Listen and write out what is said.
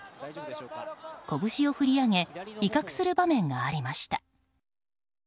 拳を振り上げ威嚇する場面がありました。